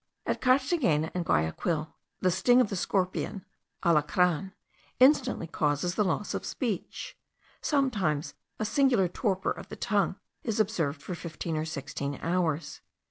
At Carthagena and Guayaquil, the sting of the scorpion (alacran) instantly causes the loss of speech. Sometimes a singular torpor of the tongue is observed for fifteen or sixteen hours.